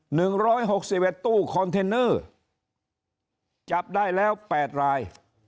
หนึ่งร้อยหกสิบเอ็ดตู้คอนเทนเนอร์จับได้แล้วแปดราย